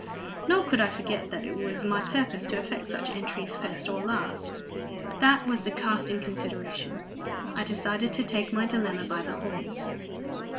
Nor could I forget that it was my purpose to effect such entry first or last. That was the casting consideration. I decided to take my dilemma by the horns.